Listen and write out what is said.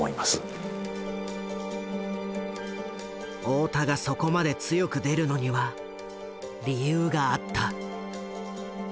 大田がそこまで強く出るのには理由があった。